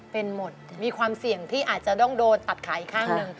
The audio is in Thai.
เป็นหมดมีความเสี่ยงที่อาจจะต้องโดนตัดขาอีกข้างหนึ่ง